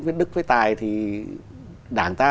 với đức với tài thì đảng ta